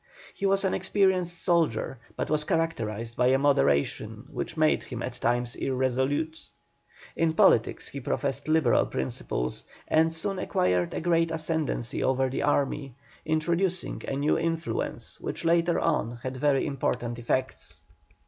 He was an experienced soldier, but was characterized by a moderation which made him at times irresolute. In politics he professed Liberal principles, and soon acquired a great ascendency over the army, introducing a new influence which later on had very important effects.